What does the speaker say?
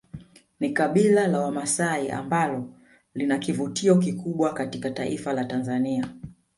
Ni kabila la wamasai ambao lina kivutio kikubwa katika taifa la Tanzania